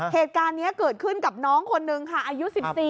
เหตุการณ์นี้เกิดขึ้นกับน้องคนนึงค่ะอายุ๑๔